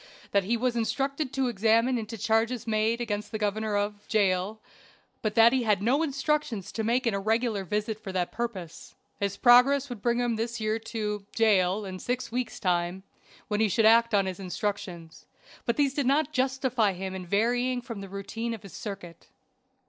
That he was instructed to examine into charges made against the governor of Jail; but that he had no instructions to make an irregular visit for that purpose. His progress would bring him this year to Jail in six weeks' time, when he should act on his instructions, but these did not justify him in varying from the routine of his circuit.